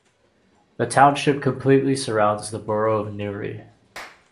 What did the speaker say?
The township completely surrounds the borough of Newry.